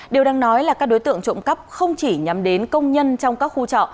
điều đang nói là các đối tượng trộm cắp không chỉ nhắm đến công nhân trong các khu trọ